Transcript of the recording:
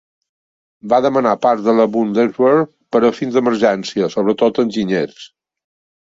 Va demanar parts de la Bundeswehr per a fins d'emergència, sobretot enginyers.